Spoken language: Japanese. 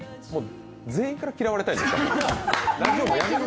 全員から嫌われたいんですか？